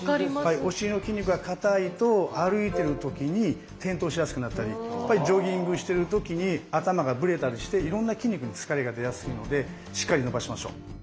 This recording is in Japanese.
お尻の筋肉が硬いと歩いてる時に転倒しやすくなったりジョギングしてる時に頭がブレたりしていろんな筋肉に疲れが出やすいのでしっかり伸ばしましょう。